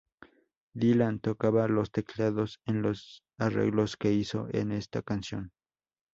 Dylan tocaba los teclados en los arreglos que hizo en esta canción.